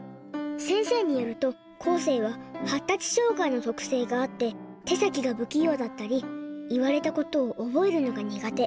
先生によるとこうせいは発達障害の特性があって手先が不器用だったり言われたことを覚えるのが苦手。